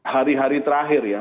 hari hari terakhir ya